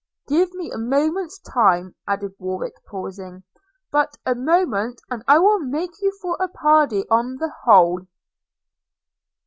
Give me a moment's time,' added Warwick, pausing – 'but a moment, and I will make for you a parody on the whole 4.'